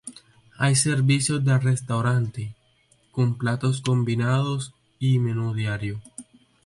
Hay servicio de restaurante, con platos combinados y menú diario.